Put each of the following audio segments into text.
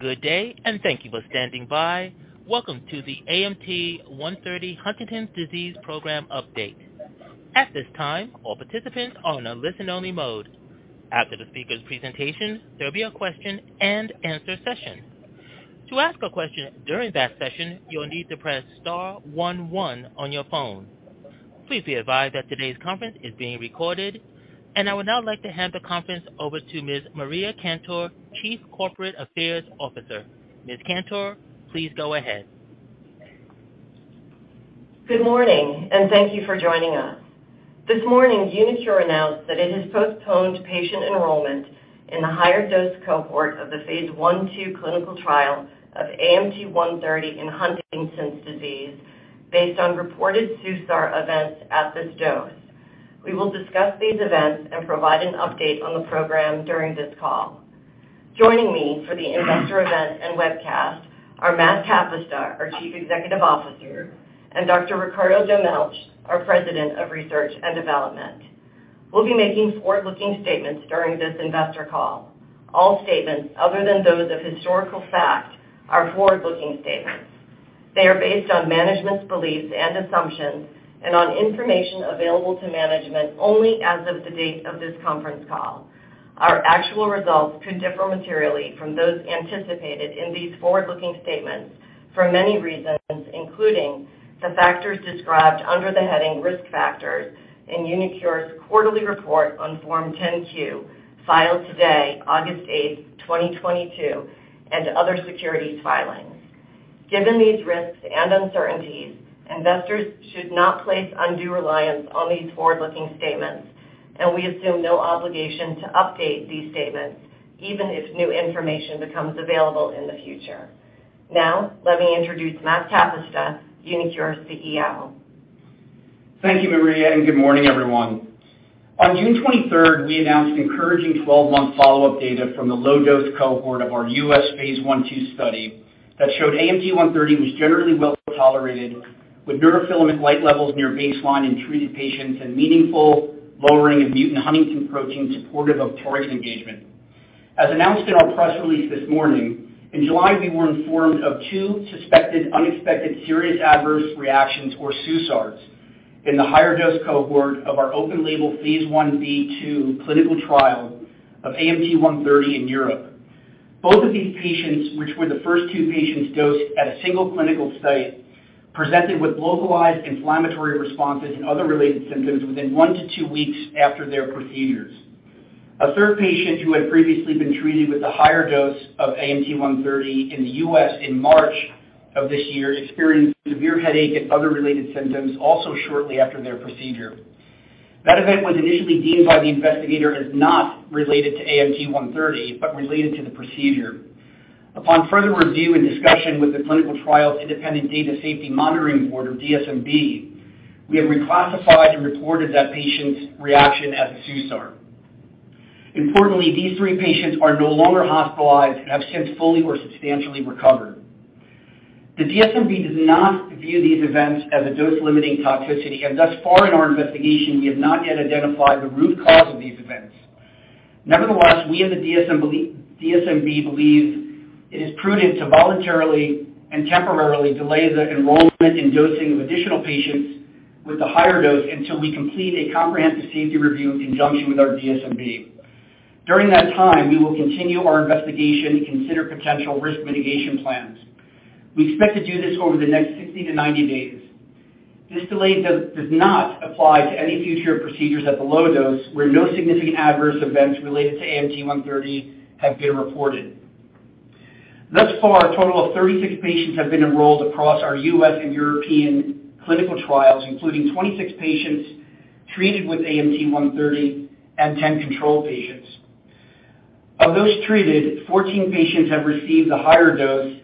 Good day, and thank you for standing by. Welcome to the AMT-130 Huntington's Disease Program Update. At this time, all participants are on a listen-only mode. After the speaker's presentation, there'll be a question and answer session. To ask a question during that session, you'll need to press star one one on your phone. Please be advised that today's conference is being recorded. I would now like to hand the conference over to Ms. Maria Cantor, Chief Corporate Affairs Officer. Ms. Cantor, please go ahead. Good morning, and thank you for joining us. This morning, uniQure announced that it has postponed patient enrollment in the higher dose cohort of the phase 1/2 clinical trial of AMT-130 in Huntington's disease based on reported SUSAR events at this dose. We will discuss these events and provide an update on the program during this call. Joining me for the investor event and webcast are Matt Kapusta, our Chief Executive Officer, and Dr. Ricardo Dolmetsch, our President of Research and Development. We'll be making forward-looking statements during this investor call. All statements other than those of historical fact are forward-looking statements. They are based on management's beliefs and assumptions and on information available to management only as of the date of this conference call. Our actual results could differ materially from those anticipated in these forward-looking statements for many reasons, including the factors described under the heading Risk Factors in uniQure's quarterly report on Form 10-Q, filed today, August 8, 2022, and other securities filings. Given these risks and uncertainties, investors should not place undue reliance on these forward-looking statements, and we assume no obligation to update these statements even if new information becomes available in the future. Now let me introduce Matt Kapusta, uniQure CEO. Thank you, Maria, and good morning, everyone. On June 23, we announced encouraging 12-month follow-up data from the low-dose cohort of our U.S. phase 1/2 study that showed AMT-130 was generally well tolerated with neurofilament light levels near baseline in treated patients and meaningful lowering of mutant huntingtin protein supportive of target engagement. As announced in our press release this morning, in July, we were informed of two suspected unexpected serious adverse reactions, or SUSARs, in the higher-dose cohort of our open-label phase 1b/2 clinical trial of AMT-130 in Europe. Both of these patients, which were the first 2 patients dosed at a single clinical site, presented with localized inflammatory responses and other related symptoms within 1-2 weeks after their procedures. A third patient who had previously been treated with a higher dose of AMT-130 in the U.S. in March of this year experienced severe headache and other related symptoms also shortly after their procedure. That event was initially deemed by the investigator as not related to AMT-130, but related to the procedure. Upon further review and discussion with the clinical trial's independent Data Safety Monitoring Board or DSMB, we have reclassified and reported that patient's reaction as a SUSAR. Importantly, these three patients are no longer hospitalized and have since fully or substantially recovered. The DSMB does not view these events as a dose-limiting toxicity, and thus far in our investigation, we have not yet identified the root cause of these events. Nevertheless, we and the DSMB believe it is prudent to voluntarily and temporarily delay the enrollment and dosing of additional patients with the higher dose until we complete a comprehensive safety review in conjunction with our DSMB. During that time, we will continue our investigation and consider potential risk mitigation plans. We expect to do this over the next 60-90 days. This delay does not apply to any future procedures at the low dose, where no significant adverse events related to AMT-130 have been reported. Thus far, a total of 36 patients have been enrolled across our U.S. and European clinical trials, including 26 patients treated with AMT-130 and 10 control patients. Of those treated, 14 patients have received the higher dose,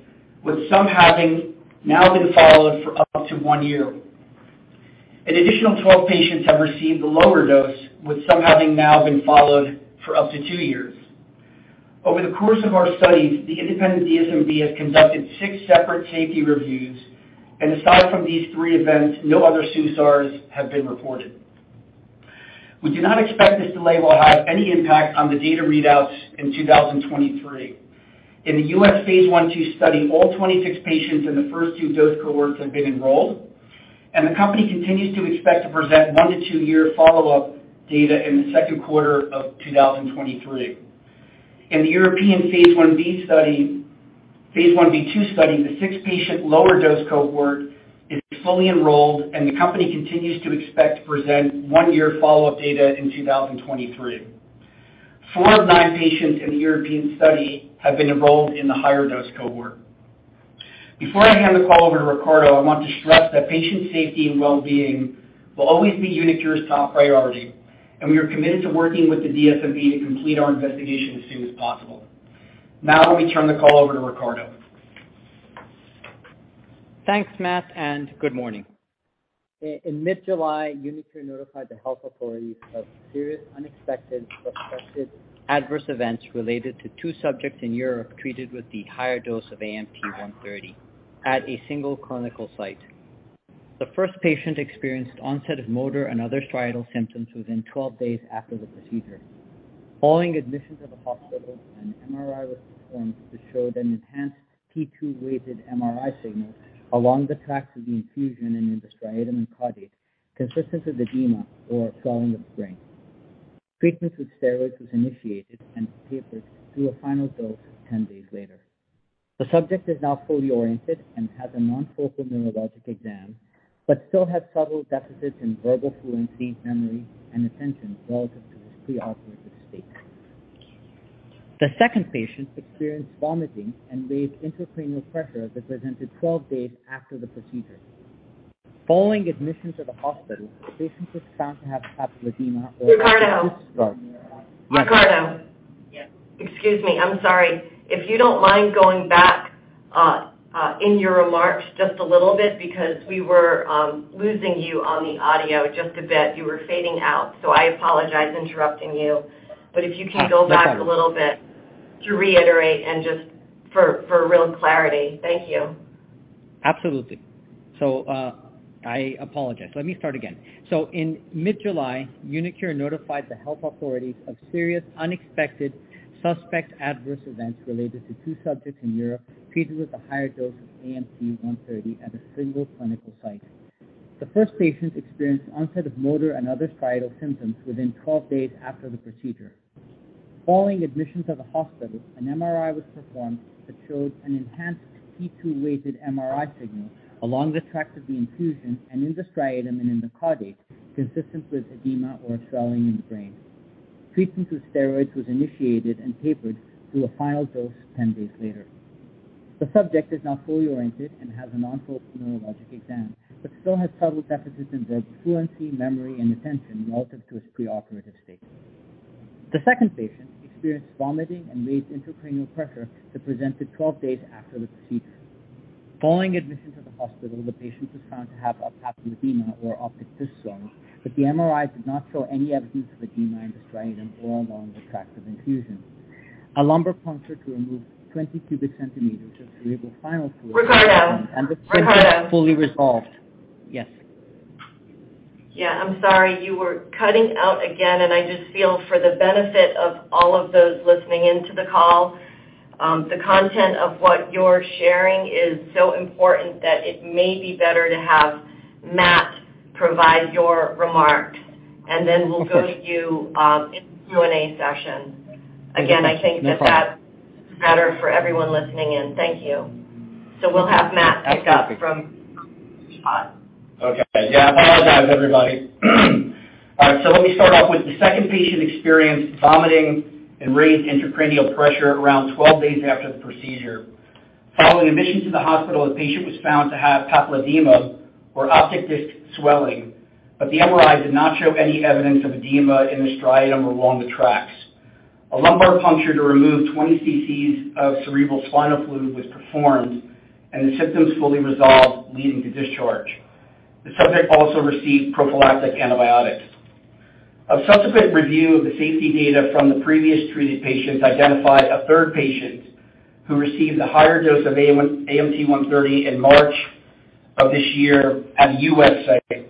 with some having now been followed for up to one year. An additional 12 patients have received the lower dose, with some having now been followed for up to two years. Over the course of our studies, the independent DSMB has conducted six separate safety reviews, and aside from these three events, no other SUSARs have been reported. We do not expect this delay will have any impact on the data readouts in 2023. In the U.S. phase 1/2 study, all 26 patients in the first two dose cohorts have been enrolled, and the company continues to expect to present 1-2-year follow-up data in the Q2 of 2023. In the European phase 1b/2 study, the 6-patient lower dose cohort is fully enrolled, and the company continues to expect to present 1-year follow-up data in 2023. Four of nine patients in the European study have been enrolled in the higher dose cohort. Before I hand the call over to Ricardo, I want to stress that patient safety and well-being will always be uniQure's top priority, and we are committed to working with the DSMB to complete our investigation as soon as possible. Now let me turn the call over to Ricardo. Thanks, Matt, and good morning. In mid-July, uniQure notified the health authorities of serious unexpected suspected adverse events related to two subjects in Europe treated with the higher dose of AMT-130 at a single clinical site. The first patient experienced onset of motor and other striatal symptoms within 12 days after the procedure. Following admission to the hospital, an MRI was performed to show an enhanced T2-weighted MRI signal along the tract of the infusion and in the striatum and caudate, consistent with edema or swelling of the brain. Treatment with steroids was initiated and tapered to a final dose 10 days later. The subject is now fully oriented and has a normal neurologic exam, but still has subtle deficits in verbal fluency, memory, and attention relative to his preoperative state. The second patient experienced vomiting and raised intracranial pressure that presented 12 days after the procedure. Following admission to the hospital, the patient was found to have papilledema or Ricardo. Yes. Ricardo. Excuse me. I'm sorry. If you don't mind going back in your remarks just a little bit because we were losing you on the audio just a little bit. You were fading out. I apologize interrupting you, but if you can go back- That's fine. A little bit to reiterate and just for real clarity. Thank you. Absolutely. I apologize. Let me start again. In mid-July, uniQure notified the health authorities of serious unexpected suspected adverse events related to two subjects in Europe treated with a higher dose of AMT-130 at a single clinical site. The first patient experienced onset of motor and other striatal symptoms within 12 days after the procedure. Following admission to the hospital, an MRI was performed that showed an enhanced T2-weighted MRI signal along the tract of the infusion and in the striatum and in the caudate, consistent with edema or swelling in the brain. Treatment with steroids was initiated and tapered to a final dose 10 days later. The subject is now fully oriented and has a normal neurologic exam but still has subtle deficits in verbal fluency, memory, and attention relative to his preoperative state. The second patient experienced vomiting and raised intracranial pressure that presented 12 days after the procedure. Following admission to the hospital, the patient was found to have papilledema or optic disc swelling, but the MRI did not show any evidence of edema in the striatum or along the tract of infusion. A lumbar puncture to remove 20 cubic centimeters of cerebrospinal fluid. Ricardo. And the- Ricardo. Subject fully resolved. Yes. Yeah, I'm sorry. You were cutting out again. I just feel for the benefit of all of those listening in to the call, the content of what you're sharing is so important that it may be better to have Matt provide your remarks, and then we'll go to you, in the Q&A session. Again, I think that. That's fine. That's better for everyone listening in. Thank you. We'll have Matt pick up from. Okay. Yeah, I apologize everybody. All right, let me start off with the second patient experienced vomiting and raised intracranial pressure around 12 days after the procedure. Following admission to the hospital, the patient was found to have papilledema or optic disc swelling, but the MRI did not show any evidence of edema in the striatum or along the tracts. A lumbar puncture to remove 20 cc's of cerebrospinal fluid was performed, and the symptoms fully resolved, leading to discharge. The subject also received prophylactic antibiotics. A subsequent review of the safety data from the previous treated patients identified a third patient who received a higher dose of AMT-130 in March of this year at a U.S. site.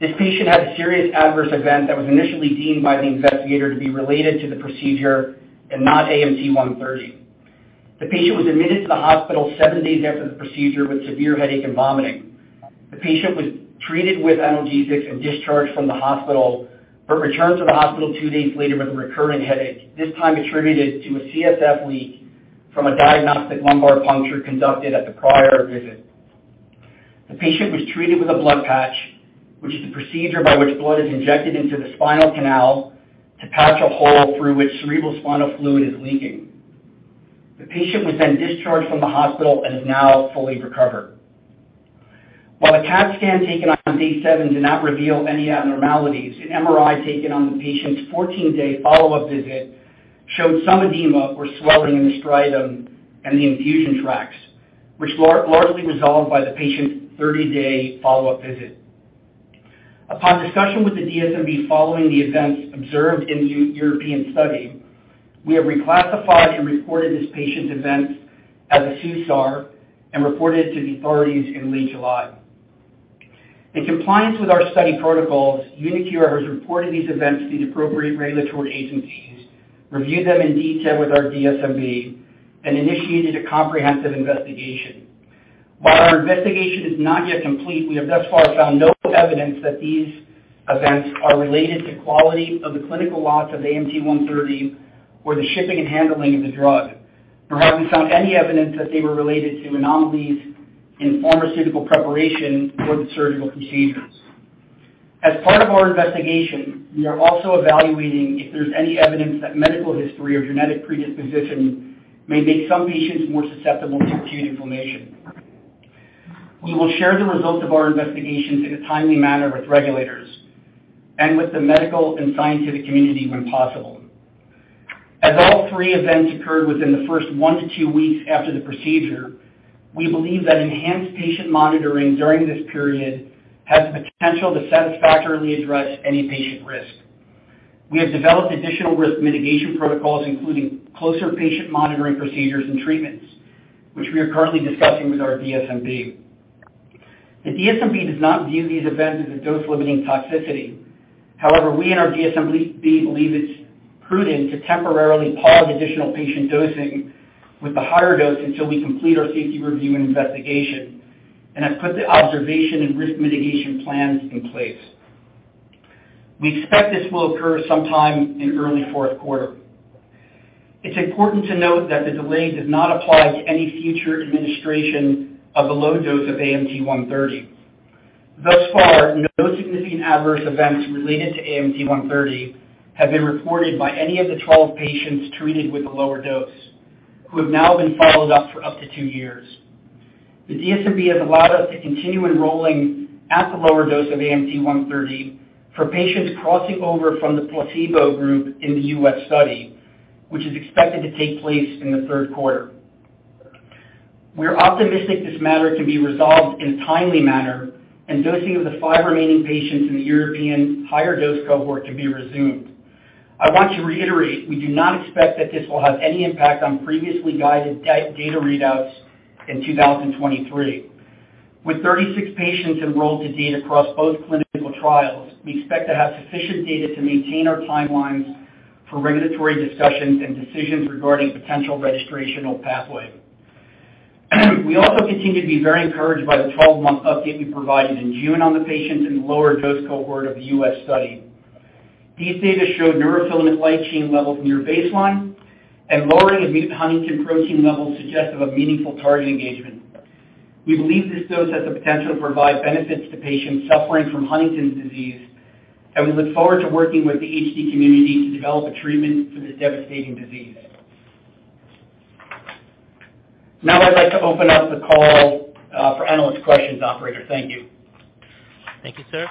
This patient had a serious adverse event that was initially deemed by the investigator to be related to the procedure and not AMT-130. The patient was admitted to the hospital seven days after the procedure with severe headache and vomiting. The patient was treated with analgesics and discharged from the hospital, but returned to the hospital 2 days later with a recurring headache, this time attributed to a CSF leak from a diagnostic lumbar puncture conducted at the prior visit. The patient was treated with a blood patch, which is a procedure by which blood is injected into the spinal canal to patch a hole through which cerebrospinal fluid is leaking. The patient was then discharged from the hospital and is now fully recovered. While a CAT scan taken on day seven did not reveal any abnormalities, an MRI taken on the patient's 14-day follow-up visit showed some edema or swelling in the striatum and the infusion tracts, which largely resolved by the patient's 30-day follow-up visit. Upon discussion with the DSMB following the events observed in the European study, we have reclassified and reported this patient's event as a SUSAR and reported it to the authorities in late July. In compliance with our study protocols, uniQure has reported these events to the appropriate regulatory agencies, reviewed them in detail with our DSMB, and initiated a comprehensive investigation. While our investigation is not yet complete, we have thus far found no evidence that these events are related to quality of the clinical lots of AMT-130 or the shipping and handling of the drug. Nor have we found any evidence that they were related to anomalies in pharmaceutical preparation or the surgical procedures. As part of our investigation, we are also evaluating if there's any evidence that medical history or genetic predisposition may make some patients more susceptible to acute inflammation. We will share the results of our investigations in a timely manner with regulators and with the medical and scientific community when possible. As all three events occurred within the first one to two weeks after the procedure, we believe that enhanced patient monitoring during this period has the potential to satisfactorily address any patient risk. We have developed additional risk mitigation protocols, including closer patient monitoring procedures and treatments, which we are currently discussing with our DSMB. The DSMB does not view these events as a dose-limiting toxicity. However, we and our DSMB believe it's prudent to temporarily pause additional patient dosing with the higher dose until we complete our safety review and investigation and have put the observation and risk mitigation plans in place. We expect this will occur sometime in early Q4. It's important to note that the delay does not apply to any future administration of the low dose of AMT-130. Thus far, no significant adverse events related to AMT-130 have been reported by any of the 12 patients treated with the lower dose, who have now been followed up for up to two years. The DSMB has allowed us to continue enrolling at the lower dose of AMT-130 for patients crossing over from the placebo group in the US study, which is expected to take place in the Q3. We're optimistic this matter can be resolved in a timely manner and dosing of the 5 remaining patients in the European higher dose cohort to be resumed. I want to reiterate, we do not expect that this will have any impact on previously guided data readouts in 2023. With 36 patients enrolled to date across both clinical trials, we expect to have sufficient data to maintain our timelines for regulatory discussions and decisions regarding potential registrational pathway. We also continue to be very encouraged by the 12-month update we provided in June on the patients in the lower dose cohort of the US study. These data show neurofilament light chain levels near baseline and lowering mutant huntingtin protein levels suggestive of meaningful target engagement. We believe this dose has the potential to provide benefits to patients suffering from Huntington's disease, and we look forward to working with the HD community to develop a treatment for this devastating disease. Now I'd like to open up the call for analyst questions, operator. Thank you. Thank you, sir.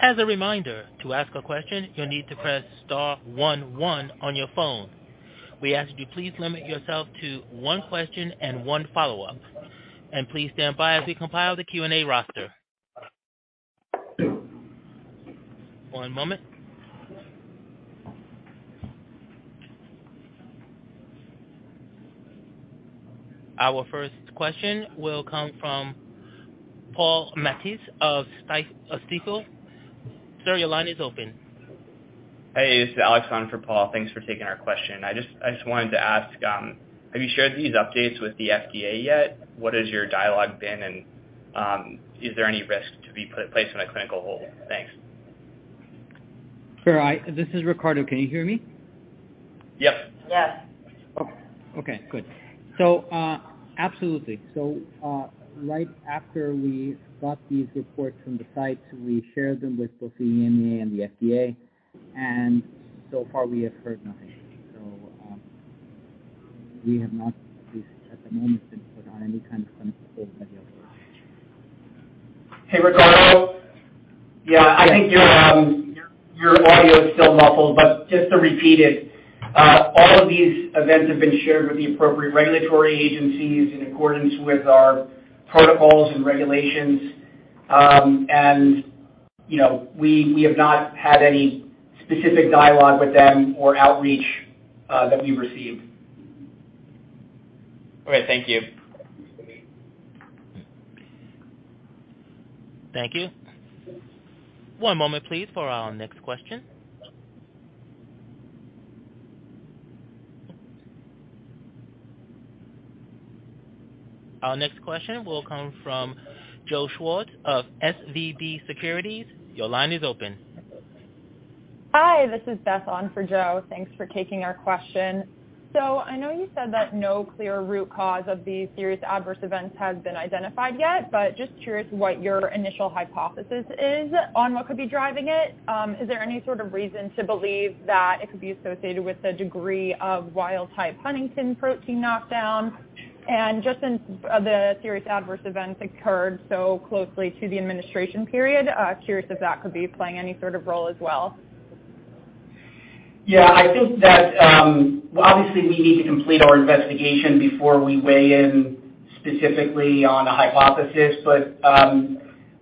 As a reminder, to ask a question, you'll need to press star one one on your phone. We ask that you please limit yourself to one question and one follow-up, and please stand by as we compile the Q&A roster. One moment. Our first question will come from Paul Matteis of Stifel. Sir, your line is open. Hey, this is Alex on for Paul. Thanks for taking our question. I just wanted to ask, have you shared these updates with the FDA yet? What has your dialogue been? Is there any risk to be placed in a clinical hold? Thanks. Sure. This is Ricardo. Can you hear me? Yep. Yes. Okay, good. Absolutely. Right after we got these reports from the sites, we shared them with both the EMA and the FDA, and so far we have heard nothing. We have not, at least at the moment, been put on any kind of clinical hold that we are aware of. Hey, Ricardo. Yeah, I think your audio is still muffled, but just to repeat it, all of these events have been shared with the appropriate regulatory agencies in accordance with our protocols and regulations. You know, we have not had any specific dialogue with them or outreach that we received. All right. Thank you. Thank you. One moment, please, for our next question. Our next question will come from Joseph Schwartz of SVB Securities. Your line is open. Hi, this is Beth on for Joe. Thanks for taking our question. I know you said that no clear root cause of these serious adverse events has been identified yet, but just curious what your initial hypothesis is on what could be driving it? Is there any sort of reason to believe that it could be associated with the degree of wild type huntingtin protein knockdown? Just since the serious adverse events occurred so closely to the administration period, curious if that could be playing any sort of role as well? Yeah, I think that, obviously we need to complete our investigation before we weigh in specifically on a hypothesis.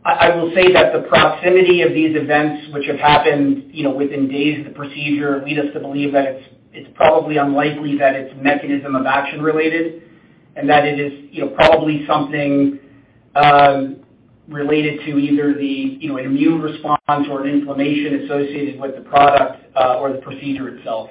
I will say that the proximity of these events, which have happened, you know, within days of the procedure, lead us to believe that it's probably unlikely that it's mechanism of action related. That it is, you know, probably something related to either, you know, an immune response or an inflammation associated with the product, or the procedure itself.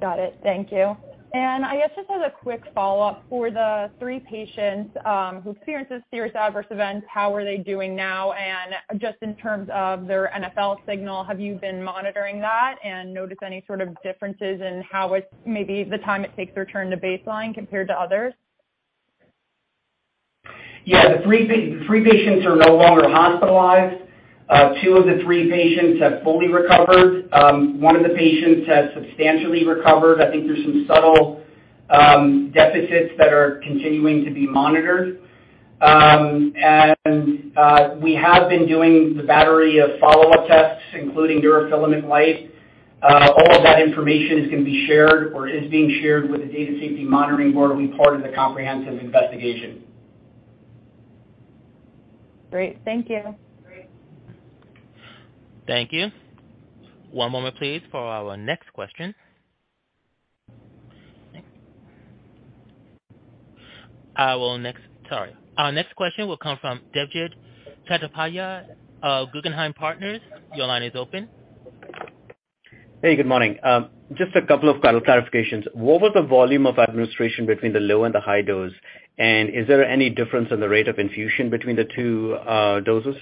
Got it. Thank you. I guess just as a quick follow-up, for the three patients who experienced these serious adverse events, how are they doing now? Just in terms of their NFL signal, have you been monitoring that and noticed any sort of differences in how it's, maybe the time it takes to return to baseline compared to others? Yeah. The three patients are no longer hospitalized. Two of the three patients have fully recovered. One of the patients has substantially recovered. I think there's some subtle deficits that are continuing to be monitored. We have been doing the battery of follow-up tests, including neurofilament light. All of that information is going to be shared or is being shared with the Data Safety Monitoring Board, will be part of the comprehensive investigation. Great. Thank you. Thank you. One moment please for our next question. Our next question will come from Debjit Chattopadhyay of Guggenheim Partners. Your line is open. Hey, good morning. Just a couple of clarifications. What was the volume of administration between the low and the high dose? Is there any difference in the rate of infusion between the two doses?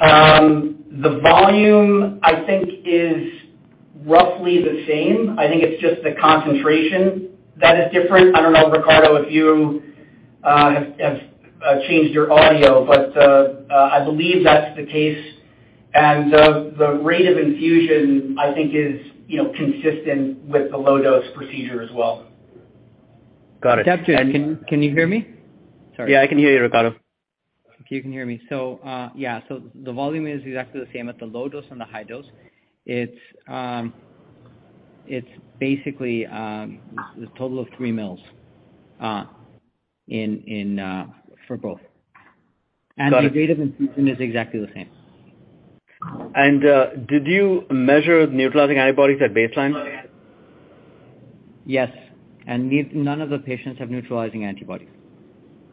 The volume, I think, is roughly the same. I think it's just the concentration that is different. I don't know, Ricardo, if you have changed your audio, but I believe that's the case. The rate of infusion, I think is, you know, consistent with the low dose procedure as well. Got it. Debjit, can you hear me? Sorry. Yeah, I can hear you, Ricardo. If you can hear me. Yeah. The volume is exactly the same at the low dose and the high dose. It's basically a total of 3 mL in for both. Got it. The rate of infusion is exactly the same. Did you measure neutralizing antibodies at baseline? Yes. None of the patients have neutralizing antibodies.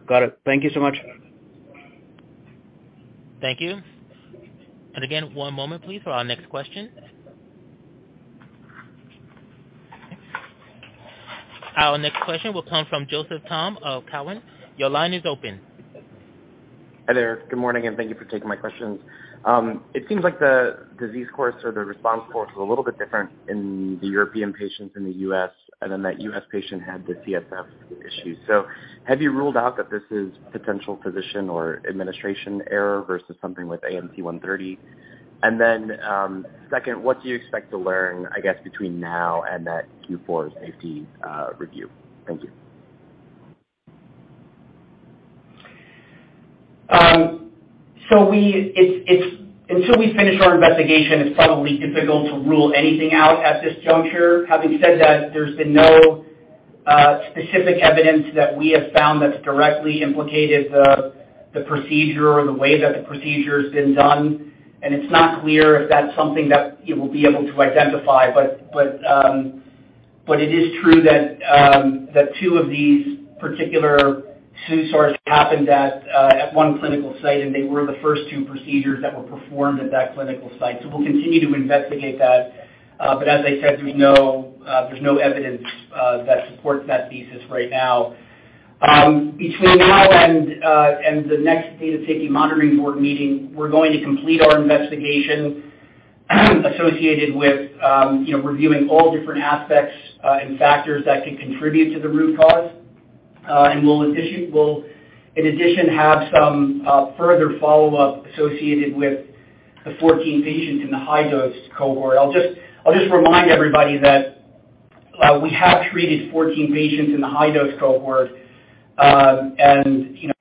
Got it. Thank you so much. Thank you. Again, one moment please, for our next question. Our next question will come from Joseph Thome of Cowen. Your line is open. Hi there. Good morning, and thank you for taking my questions. It seems like the disease course or the response course was a little bit different in the European patients and in the US, and then that US patient had the CSF issue. Have you ruled out that this is potential physician or administration error versus something with AMT-130? And then, second, what do you expect to learn, I guess, between now and that Q4 safety review? Thank you. Until we finish our investigation, it's probably difficult to rule anything out at this juncture. Having said that, there's been no specific evidence that we have found that's directly implicated the procedure or the way that the procedure has been done, and it's not clear if that's something that you will be able to identify. It is true that two of these particular SUSARs happened at one clinical site, and they were the first two procedures that were performed at that clinical site. We'll continue to investigate that. As I said, we know there's no evidence that supports that thesis right now. Between now and the next Data Safety Monitoring Board meeting, we're going to complete our investigation associated with, you know, reviewing all different aspects and factors that could contribute to the root cause. We'll in addition have some further follow-up associated with the 14 patients in the high-dose cohort. I'll just remind everybody that we have treated 14 patients in the high-dose cohort. You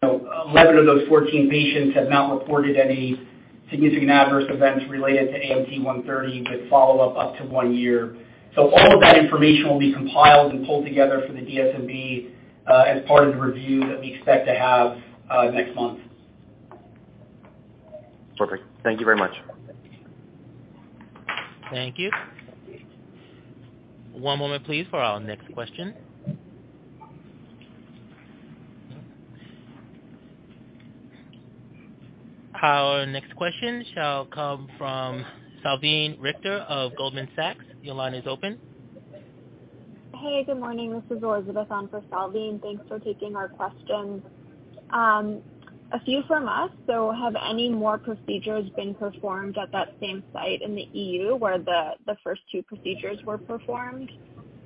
know, 11 of those 14 patients have not reported any significant adverse events related to AMT-130 with follow-up up to one year. All of that information will be compiled and pulled together for the DSMB as part of the review that we expect to have next month. Perfect. Thank you very much. Thank you. One moment please for our next question. Our next question shall come from Salveen Richter of Goldman Sachs. Your line is open. Hey, good morning. This is Elizabeth on for Salveen. Thanks for taking our questions. A few from us. Have any more procedures been performed at that same site in the EU where the first two procedures were performed?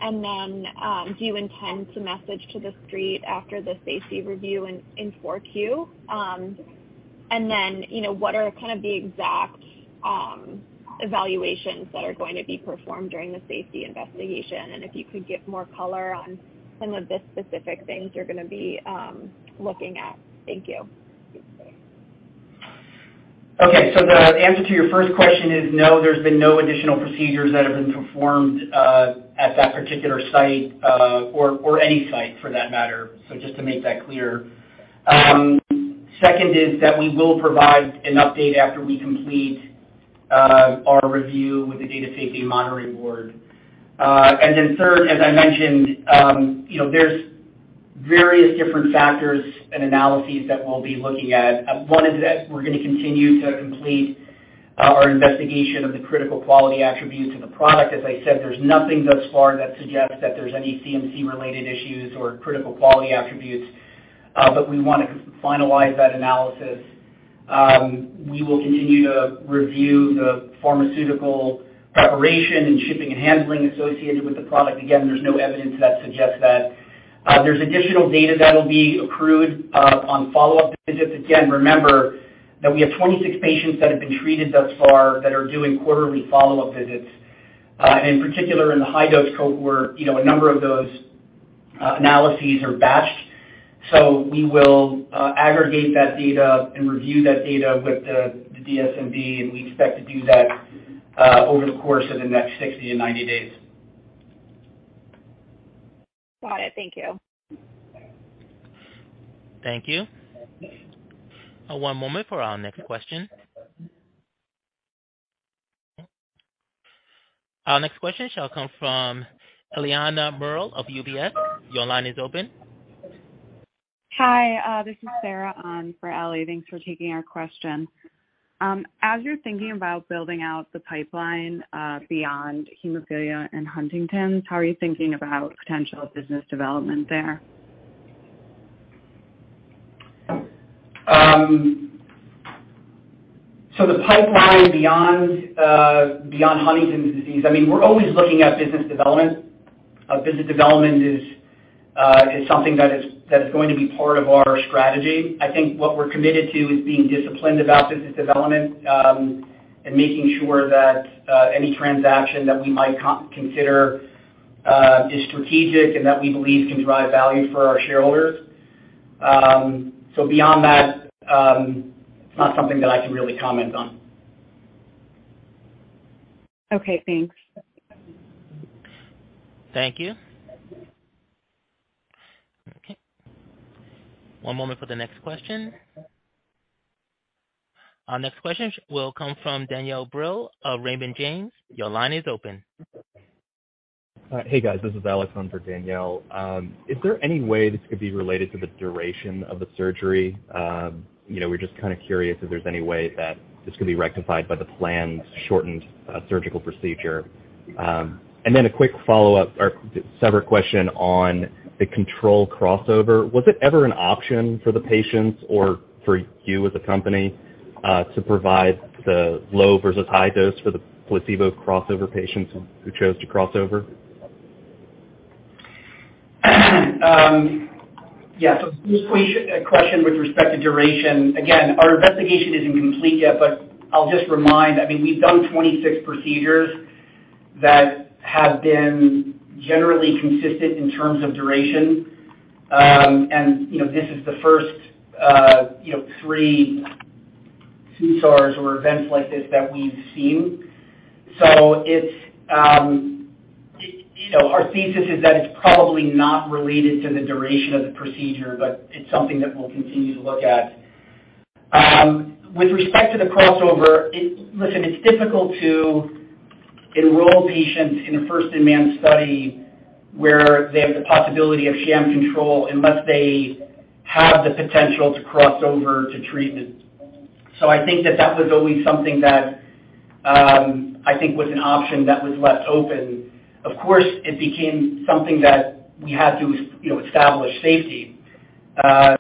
Do you intend to message to the three after the safety review in Q4? You know, what are kind of the exact evaluations that are going to be performed during the safety investigation? If you could give more color on some of the specific things you're gonna be looking at. Thank you. Okay. The answer to your first question is no, there's been no additional procedures that have been performed, at that particular site, or any site for that matter. Just to make that clear. Second is that we will provide an update after we complete, our review with the Data Safety Monitoring Board. Third, as I mentioned, you know, there's various different factors and analyses that we'll be looking at. One is that we're gonna continue to complete, our investigation of the critical quality attributes of the product. As I said, there's nothing thus far that suggests that there's any CMC-related issues or critical quality attributes, but we wanna finalize that analysis. We will continue to review the pharmaceutical preparation and shipping and handling associated with the product. Again, there's no evidence that suggests that. There's additional data that will be accrued on follow-up visits. Again, remember that we have 26 patients that have been treated thus far that are doing quarterly follow-up visits. In particular, in the high-dose cohort, you know, a number of those analyses are batched. We will aggregate that data and review that data with the DSMB, and we expect to do that over the course of the next 60 and 90 days. Got it. Thank you. Thank you. One moment for our next question. Our next question shall come from Eliana Merle of UBS. Your line is open. Hi, this is Jasmine on for Eliana. Thanks for taking our question. As you're thinking about building out the pipeline, beyond hemophilia and Huntington's, how are you thinking about potential business development there? The pipeline beyond Huntington's disease, I mean, we're always looking at business development. Business development is something that is going to be part of our strategy. I think what we're committed to is being disciplined about business development, and making sure that any transaction that we might consider is strategic and that we believe can drive value for our shareholders. Beyond that, it's not something that I can really comment on. Okay, thanks. Thank you. Okay. One moment for the next question. Our next question will come from Danielle Brill of Raymond James. Your line is open. Hey, guys. This is Alex on for Danielle. Is there any way this could be related to the duration of the surgery? You know, we're just kinda curious if there's any way that this could be rectified by the planned shortened surgical procedure. A quick follow-up or separate question on the control crossover. Was it ever an option for the patients or for you as a company to provide the low versus high dose for the placebo crossover patients who chose to crossover? Yeah. This question with respect to duration, again, our investigation isn't complete yet, but I'll just remind, I mean, we've done 26 procedures that have been generally consistent in terms of duration. You know, this is the first, you know, three SUSARs or events like this that we've seen. It's, you know, our thesis is that it's probably not related to the duration of the procedure, but it's something that we'll continue to look at. With respect to the crossover. Listen, it's difficult to enroll patients in a first-in-man study where they have the possibility of sham control unless they have the potential to cross over to treatment. I think that was always something that, I think was an option that was left open. Of course, it became something that we had to, you know, establish safety. I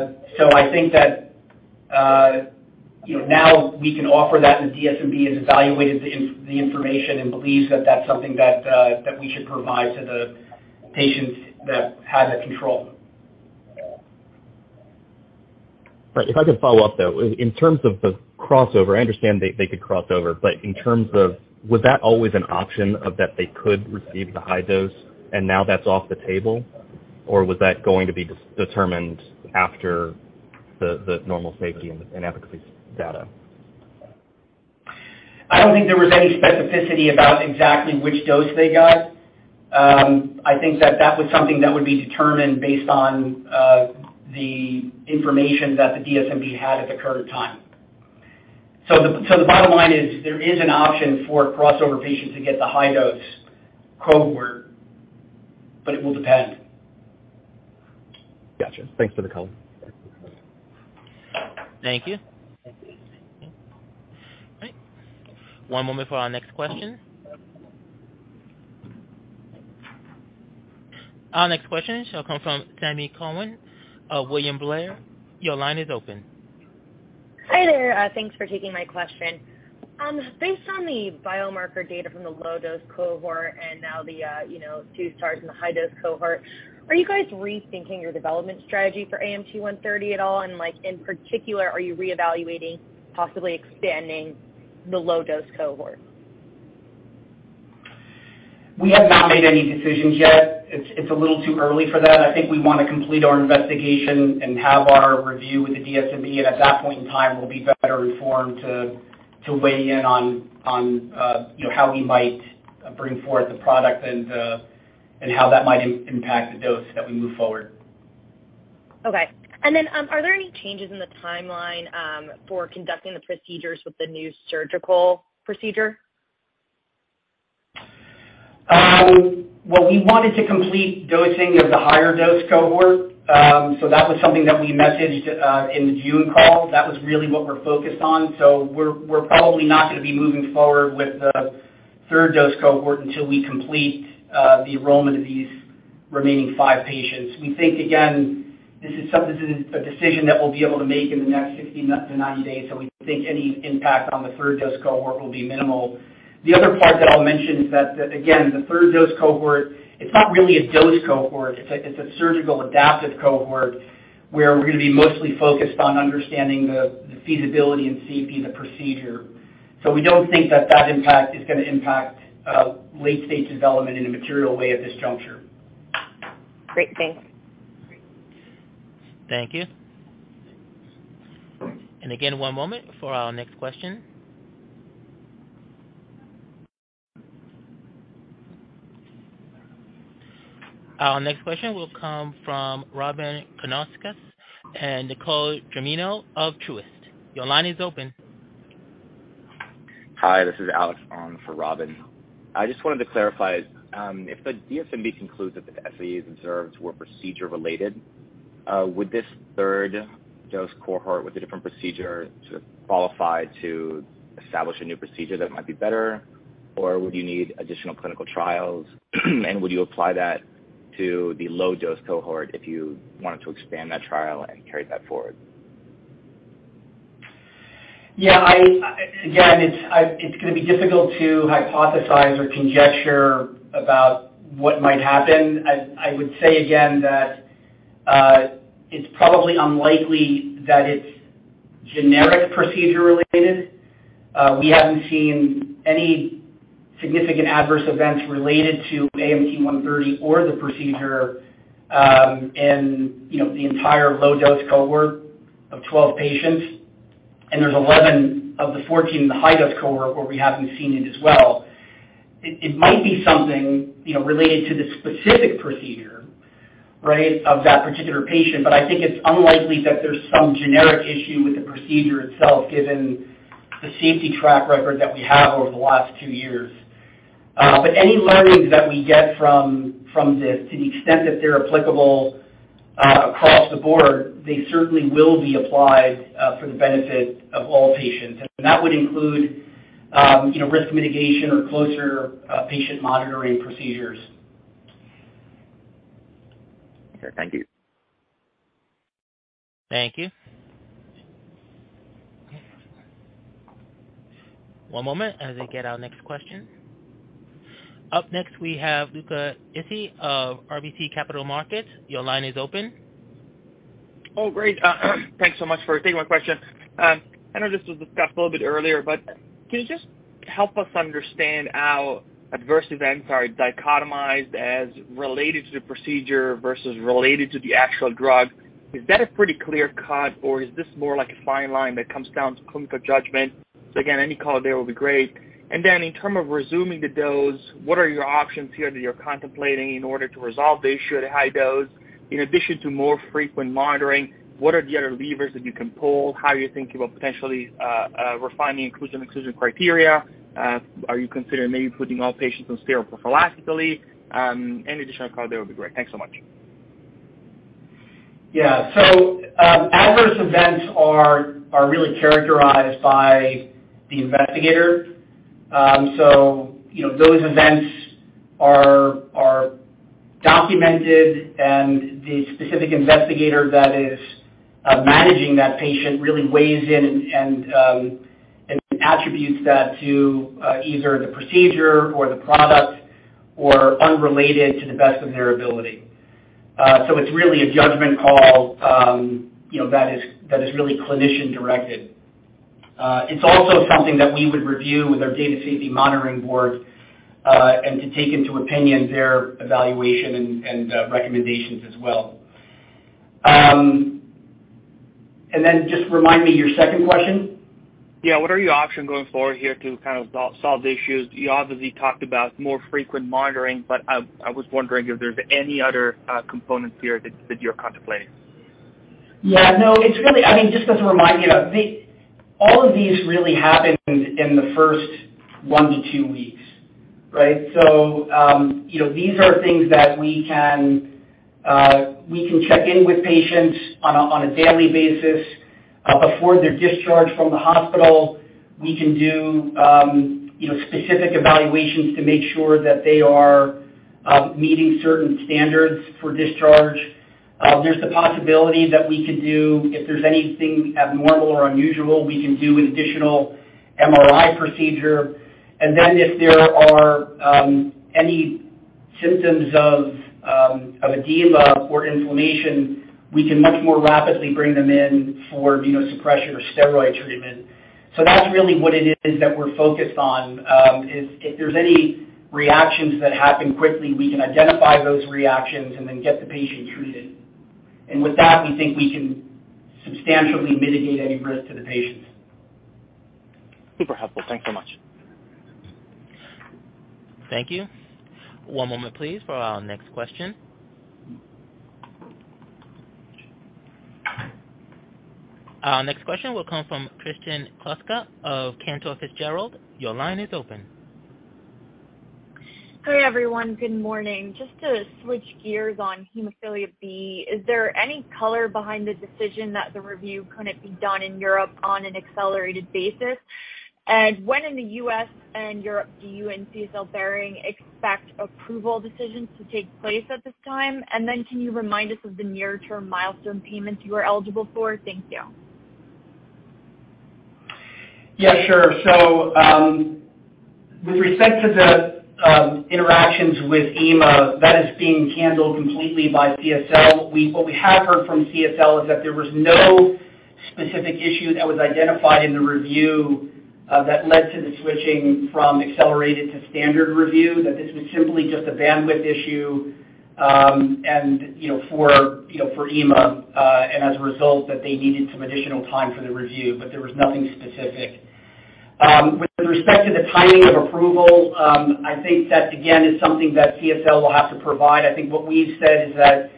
think that, you know, now we can offer that the DSMB has evaluated the information and believes that that's something that we should provide to the patients that had that control. Right. If I could follow up, though. In terms of the crossover, I understand they could cross over. In terms of was that always an option of that they could receive the high dose and now that's off the table, or was that going to be determined after the normal safety and efficacy data? I don't think there was any specificity about exactly which dose they got. I think that was something that would be determined based on the information that the DSMB had at the current time. The bottom line is there is an option for crossover patients to get the high-dose cohort, but it will depend. Gotcha. Thanks for the color. Thank you. All right. One moment for our next question. Our next question shall come from Sami Corwin of William Blair. Your line is open. Hi there. Thanks for taking my question. Based on the biomarker data from the low-dose cohort and now the, you know, two starts in the high-dose cohort, are you guys rethinking your development strategy for AMT-130 at all? Like, in particular, are you reevaluating, possibly expanding the low-dose cohort? We have not made any decisions yet. It's a little too early for that. I think we wanna complete our investigation and have our review with the DSMB, and at that point in time, we'll be better informed to weigh in on, you know, how we might bring forward the product and how that might impact the dose that we move forward. Okay. Are there any changes in the timeline for conducting the procedures with the new surgical procedure? Well, we wanted to complete dosing of the higher dose cohort. That was something that we messaged in the June call. That was really what we're focused on. We're probably not gonna be moving forward with the third dose cohort until we complete the enrollment of these remaining five patients. We think, again, this is something, a decision that we'll be able to make in the next 60-90 days. We think any impact on the third dose cohort will be minimal. The other part that I'll mention is that, again, the third dose cohort, it's not really a dose cohort. It's a surgical adaptive cohort where we're gonna be mostly focused on understanding the feasibility and safety of the procedure. We don't think that impact is gonna impact late-stage development in a material way at this juncture. Great. Thanks. Thank you. Again, one moment for our next question. Our next question will come from Robyn Karnauskas and Nicole Germino of Truist. Your line is open. Hi, this is Alex on for Robyn. I just wanted to clarify, if the DSMB concludes that the SAEs observed were procedure-related, would this third dose cohort with a different procedure to qualify to establish a new procedure that might be better or would you need additional clinical trials? Would you apply that to the low dose cohort if you wanted to expand that trial and carry that forward? Yeah, again, it's gonna be difficult to hypothesize or conjecture about what might happen. I would say again that it's probably unlikely that it's generic procedure-related. We haven't seen any significant adverse events related to AMT-130 or the procedure, you know, in the entire low-dose cohort of 12 patients. There's 11 of the 14 in the high-dose cohort where we haven't seen it as well. It might be something, you know, related to the specific procedure, right, of that particular patient, but I think it's unlikely that there's some generic issue with the procedure itself, given the safety track record that we have over the last two years. Any learnings that we get from this, to the extent that they're applicable, across the board, they certainly will be applied for the benefit of all patients. That would include, you know, risk mitigation or closer patient monitoring procedures. Okay. Thank you. Thank you. One moment as we get our next question. Up next, we have Luca Issi of RBC Capital Markets. Your line is open. Oh, great. Thanks so much for taking my question. I know this was discussed a little bit earlier, but can you just help us understand how adverse events are dichotomized as related to the procedure versus related to the actual drug? Is that a pretty clear cut, or is this more like a fine line that comes down to clinical judgment? Again, any color there will be great. In terms of resuming the dose, what are your options here that you're contemplating in order to resolve the issue of the high dose? In addition to more frequent monitoring, what are the other levers that you can pull? How are you thinking about potentially refining inclusion/exclusion criteria? Are you considering maybe putting all patients on steroids prophylactically? Any additional color there would be great. Thanks so much. Yeah. Adverse events are really characterized by the investigator. You know, those events are documented, and the specific investigator that is managing that patient really weighs in and attributes that to either the procedure or the product or unrelated to the best of their ability. It's really a judgment call, you know, that is really clinician-directed. It's also something that we would review with our Data Safety Monitoring Board and take into consideration their evaluation and recommendations as well. Then just remind me of your second question. Yeah. What are your options going forward here to kind of solve the issues? You obviously talked about more frequent monitoring, but I was wondering if there's any other components here that you're contemplating? Yeah, no, it's really. I mean, just as a reminder, all of these really happened in the first 1-2 weeks, right? You know, these are things that we can check in with patients on a daily basis before they're discharged from the hospital. We can do, you know, specific evaluations to make sure that they are meeting certain standards for discharge. There's the possibility that we could do, if there's anything abnormal or unusual, we can do an additional MRI procedure. If there are any symptoms of edema or inflammation, we can much more rapidly bring them in for immunosuppression or steroid treatment. That's really what it is that we're focused on, is if there's any reactions that happen quickly, we can identify those reactions and then get the patient treated. With that, we think we can substantially mitigate any risk to the patients. Super helpful. Thanks so much. Thank you. One moment, please, for our next question. Our next question will come from Kristen Kluska of Cantor Fitzgerald. Your line is open. Hey, everyone. Good morning. Just to switch gears on hemophilia B, is there any color behind the decision that the review couldn't be done in Europe on an accelerated basis? When in the U.S. and Europe do you and CSL Behring expect approval decisions to take place at this time? Can you remind us of the near-term milestone payments you are eligible for? Thank you. Yeah, sure. With respect to the interactions with EMA, that is being handled completely by CSL. What we have heard from CSL is that there was no specific issue that was identified in the review that led to the switching from accelerated to standard review, that this was simply just a bandwidth issue, and you know, for EMA, and as a result that they needed some additional time for the review, but there was nothing specific. With respect to the timing of approval, I think that again is something that CSL will have to provide. I think what we've said is that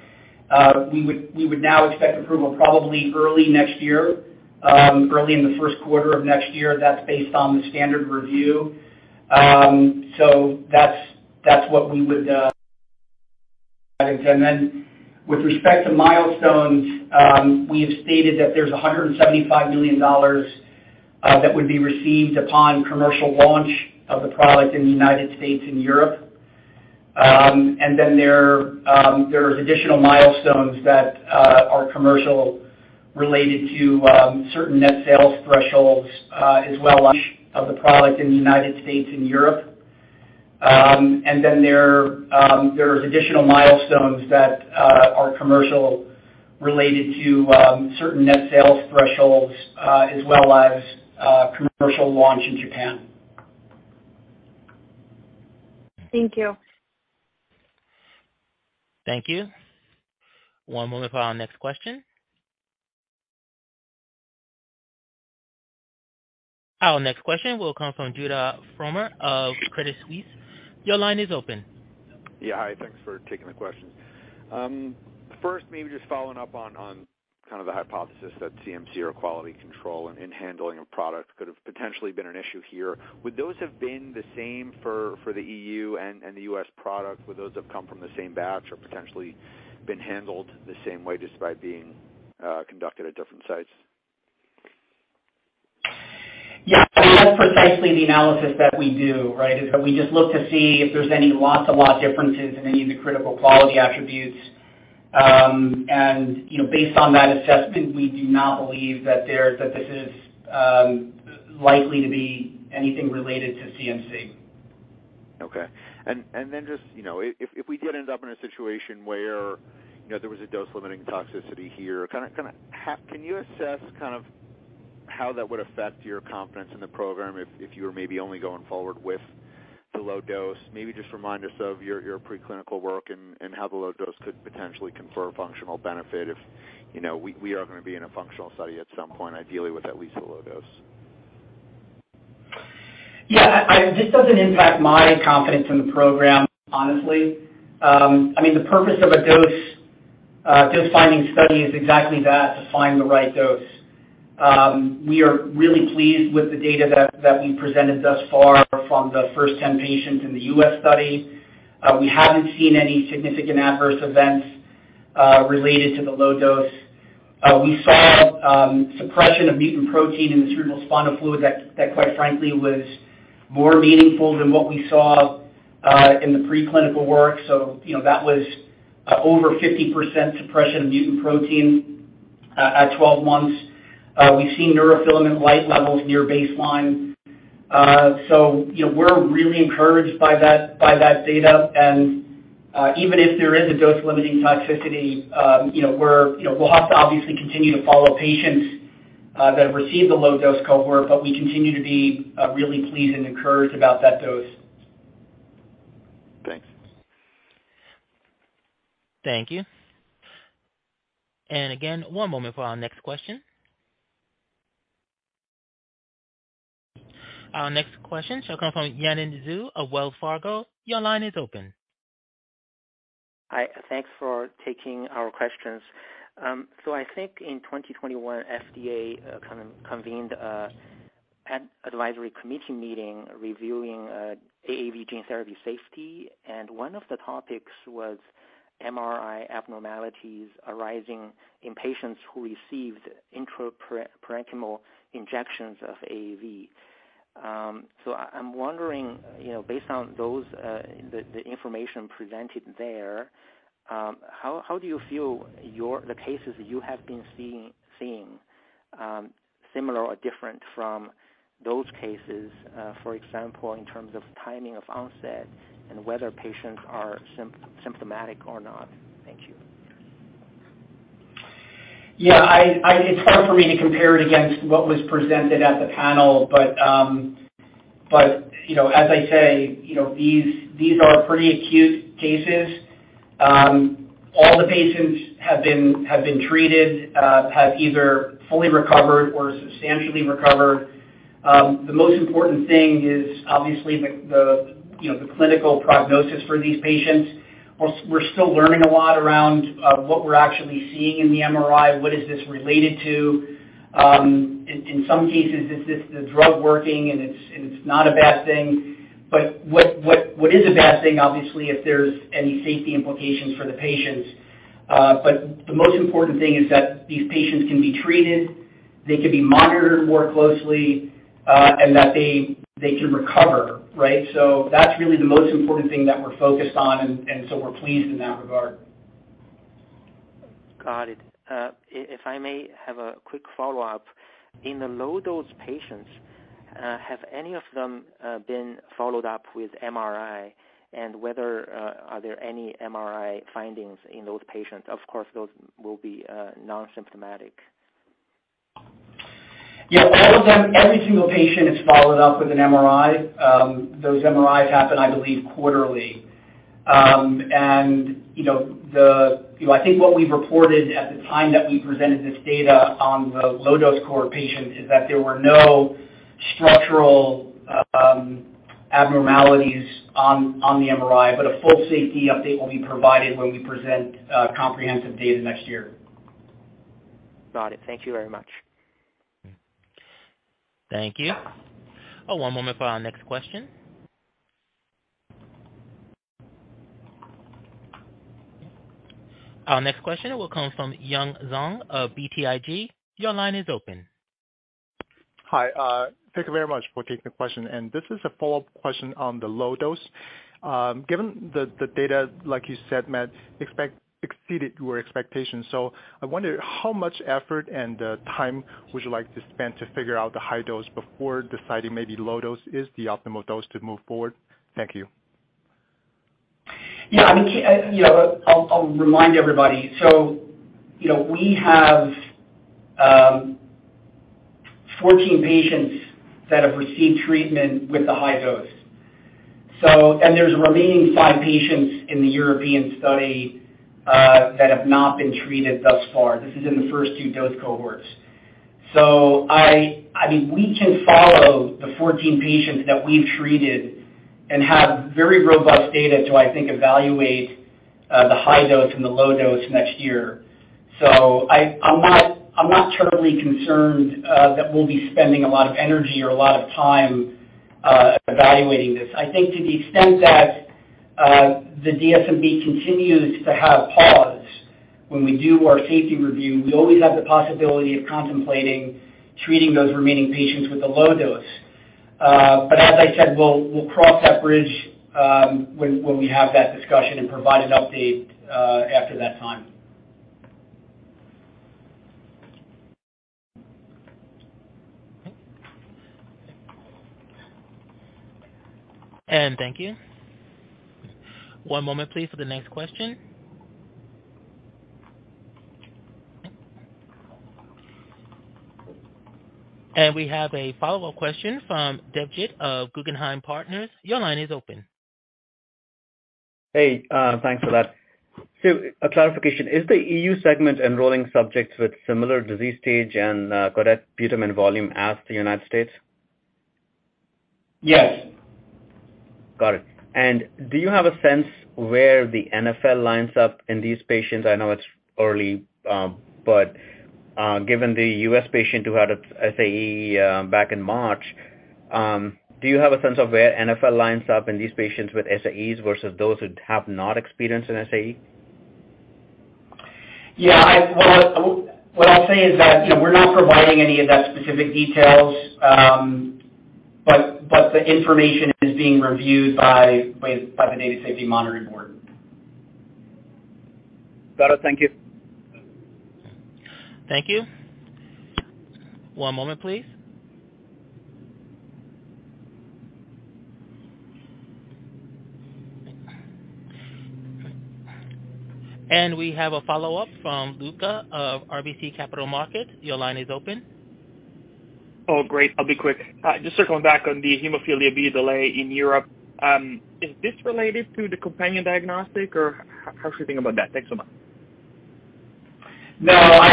we would now expect approval probably early next year, early in the Q1 of next year. That's based on the standard review. That's what we would. With respect to milestones, we have stated that there's $175 million that would be received upon commercial launch of the product in the United States and Europe. There are additional milestones that are commercial related to certain net sales thresholds, as well as of the product in the United States and Europe. There are additional milestones that are commercial related to certain net sales thresholds, as well as commercial launch in Japan. Thank you. Thank you. One moment for our next question. Our next question will come from Judah Frommer of Credit Suisse. Your line is open. Yeah. Hi, thanks for taking the question. First, maybe just following up on kind of the hypothesis that CMC or quality control in handling of products could have potentially been an issue here. Would those have been the same for the EU and the US product? Would those have come from the same batch or potentially been handled the same way despite being conducted at different sites? Yeah. That's precisely the analysis that we do, right? That is, we just look to see if there's any lot-to-lot differences in any of the critical quality attributes. You know, based on that assessment, we do not believe that this is likely to be anything related to CMC. Okay. Then just, you know, if we did end up in a situation where, you know, there was a dose limiting toxicity here, kinda can you assess kind of how that would affect your confidence in the program if you were maybe only going forward with the low dose? Maybe just remind us of your pre-clinical work and how the low dose could potentially confer functional benefit if, you know, we are gonna be in a functional study at some point, ideally with at least the low dose. Yeah. This doesn't impact my confidence in the program, honestly. I mean, the purpose of a dose-finding study is exactly that, to find the right dose. We are really pleased with the data that we presented thus far from the first 10 patients in the U.S. study. We haven't seen any significant adverse events related to the low dose. We saw suppression of mutant protein in the cerebrospinal fluid that quite frankly was more meaningful than what we saw in the pre-clinical work. You know, that was over 50% suppression of mutant protein at 12 months. We've seen neurofilament light levels near baseline. You know, we're really encouraged by that data. Even if there is a dose-limiting toxicity, you know, we're, you know, we'll have to obviously continue to follow patients that have received the low dose cohort, but we continue to be really pleased and encouraged about that dose. Thanks. Thank you. Again, one moment for our next question. Our next question shall come from Yanan Zhu of Wells Fargo. Your line is open. Hi. Thanks for taking our questions. I think in 2021, FDA kind of convened an advisory committee meeting reviewing AAV gene therapy safety, and one of the topics was MRI abnormalities arising in patients who received intraparenchymal injections of AAV. I'm wondering, you know, based on those, the information presented there, how do you feel the cases you have been seeing similar or different from those cases, for example, in terms of timing of onset and whether patients are symptomatic or not? Thank you. Yeah. It's hard for me to compare it against what was presented at the panel, but you know, as I say, you know, these are pretty acute cases. All the patients have been treated, have either fully recovered or substantially recovered. The most important thing is obviously the you know, the clinical prognosis for these patients. We're still learning a lot around what we're actually seeing in the MRI. What is this related to? In some cases, it's just the drug working, and it's not a bad thing. What is a bad thing, obviously, if there's any safety implications for the patients. The most important thing is that these patients can be treated, they can be monitored more closely, and that they can recover, right? That's really the most important thing that we're focused on, and so we're pleased in that regard. Got it. If I may have a quick follow-up. In the low dose patients, have any of them been followed up with MRI and whether there are any MRI findings in those patients? Of course, those will be non-symptomatic. Yeah. All of them, every single patient is followed up with an MRI. Those MRIs happen, I believe, quarterly. I think what we reported at the time that we presented this data on the low dose cohort patient is that there were no structural abnormalities on the MRI. A full safety update will be provided when we present comprehensive data next year. Got it. Thank you very much. Thank you. One moment for our next question. Our next question will come from Yun Zhong of BTIG. Your line is open. Hi, thank you very much for taking the question. This is a follow-up question on the low dose. Given the data, like you said, Matt, exceeded your expectations. I wonder how much effort and time would you like to spend to figure out the high dose before deciding maybe low dose is the optimal dose to move forward? Thank you. Yeah, I mean, you know, I'll remind everybody. We have 14 patients that have received treatment with the high dose. There's remaining five patients in the European study that have not been treated thus far. This is in the first two dose cohorts. I mean, we can follow the 14 patients that we've treated and have very robust data to, I think, evaluate the high dose and the low dose next year. I'm not terribly concerned that we'll be spending a lot of energy or a lot of time evaluating this. I think to the extent that the DSMB continues to have pause when we do our safety review, we always have the possibility of contemplating treating those remaining patients with a low dose. As I said, we'll cross that bridge when we have that discussion and provide an update after that time. Thank you. One moment please for the next question. We have a follow-up question from Debjit of Guggenheim Partners. Your line is open. Hey, thanks for that. A clarification. Is the EU segment enrolling subjects with similar disease stage and correct putamen volume as the United States? Yes. Got it. Do you have a sense where the NfL lines up in these patients? I know it's early, but given the U.S. patient who had a SAE back in March, do you have a sense of where NfL lines up in these patients with SAEs versus those who have not experienced an SAE? Yeah, well, what I'll say is that, you know, we're not providing any of that specific details, but the information is being reviewed by the Data Safety Monitoring Board. Got it. Thank you. Thank you. One moment, please. We have a follow-up from Luca Issi of RBC Capital Markets. Your line is open. Oh, great. I'll be quick. Just circling back on the hemophilia B delay in Europe. Is this related to the companion diagnostic, or how should we think about that? Thanks so much. No, I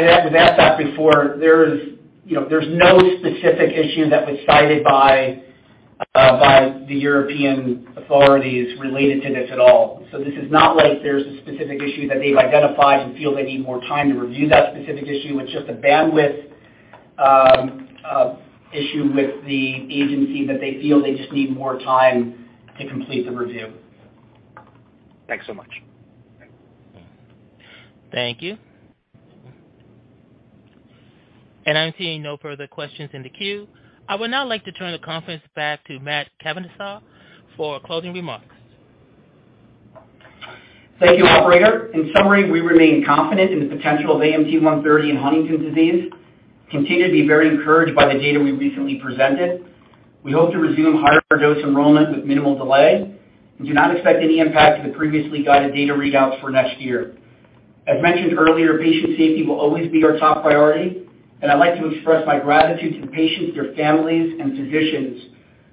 answered that before. There's, you know, there's no specific issue that was cited by the European authorities related to this at all. This is not like there's a specific issue that they've identified and feel they need more time to review that specific issue. It's just a bandwidth issue with the agency that they feel they just need more time to complete the review. Thanks so much. Thank you. I'm seeing no further questions in the queue. I would now like to turn the conference back to Matt Kapusta for closing remarks. Thank you, operator. In summary, we remain confident in the potential of AMT-130 in Huntington's disease, continue to be very encouraged by the data we recently presented. We hope to resume higher dose enrollment with minimal delay and do not expect any impact to the previously guided data readouts for next year. As mentioned earlier, patient safety will always be our top priority, and I'd like to express my gratitude to the patients, their families, and physicians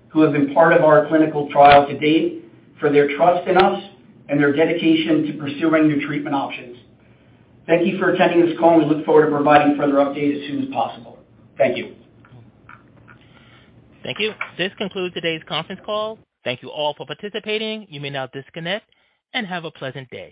who have been part of our clinical trial to date for their trust in us and their dedication to pursuing new treatment options. Thank you for attending this call. We look forward to providing further updates as soon as possible. Thank you. Thank you. This concludes today's conference call. Thank you all for participating. You may now disconnect and have a pleasant day.